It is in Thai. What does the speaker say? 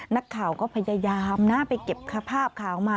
นักข่าวก็พยายามนะไปเก็บภาพข่าวมา